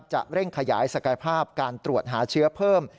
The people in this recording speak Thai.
จะเร่งขยายศักยภาพการตรวจหาเชื้อเพิ่ม